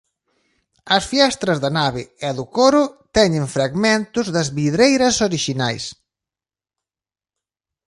As fiestras da nave e do coro teñen fragmentos das vidreiras orixinais.